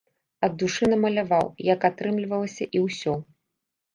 Ад душы намаляваў, як атрымлівалася, і ўсё.